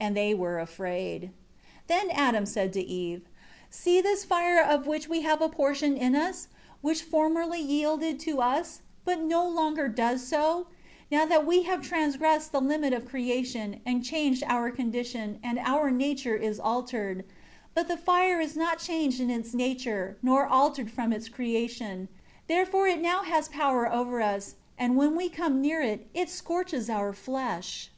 And they were afraid. 9 Then Adam said to Eve, "See this fire of which we have a portion in us: which formerly yielded to us, but no longer does so, now that we have transgressed the limit of creation, and changed our condition, and our nature is altered. But the fire is not changed in its nature, nor altered from its creation. Therefore it now has power over us; and when we come near it, it scorches our flesh."